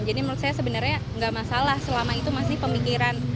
jadi menurut saya sebenarnya gak masalah selama itu masih pemikiran